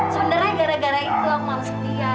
sebenarnya gara gara itu aku malu setia